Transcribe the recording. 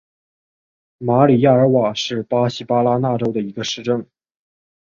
马里亚尔瓦是巴西巴拉那州的一个市镇。